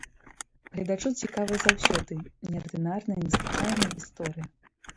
Гледачу цікавая заўсёды неардынарная, незвычайная гісторыя.